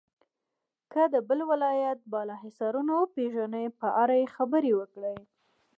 که د بل ولایت بالا حصارونه پیژنئ په اړه یې خبرې وکړئ.